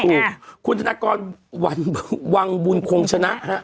ต่อมาพูดคุณธนากรวังวูลคงชนะ